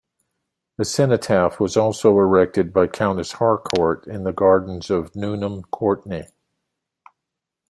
A cenotaph was also erected by Countess Harcourt in the gardens at Nuneham Courtenay.